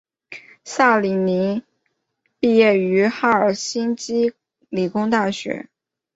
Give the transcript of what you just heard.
萨里宁毕业于赫尔辛基理工大学。